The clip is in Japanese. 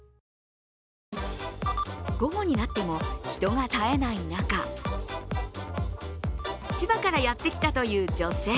午後になっても人が絶えない中、千葉からやってきたという女性。